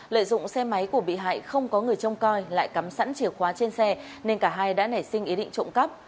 lợi dụng xe máy của bị hại không có người trông coi lại cắm sẵn chìa khóa trên xe nên cả hai đã nảy sinh ý định trộm cắp